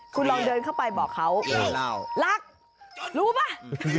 คุณลองเดินเข้าไปบอกเขารักรู้ป่ะ